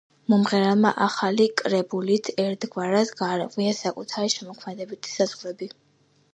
მომღერალმა ახალი კრებულით ერთგვარად გაარღვია საკუთარი შემოქმედებითი საზღვრები.